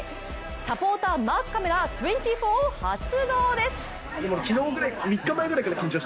サポーターマークカメラ２４を発動です。